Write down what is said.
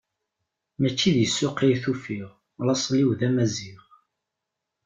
Mačči di ssuq ay t-ufiɣ, laṣel-iw d amaziɣ.